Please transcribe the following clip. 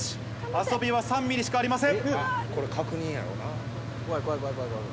遊びは３ミリしかありません。